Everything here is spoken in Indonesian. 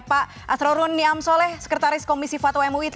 pak astro runiam soleh sekretaris komisi fatwa mui